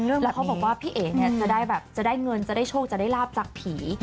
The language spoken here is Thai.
แล้วเขาบอกว่าพี่เอ๋จะได้เงินจะได้โชคจะได้ลาบจากผี